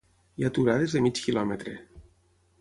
Hi ha aturades de mig quilòmetre.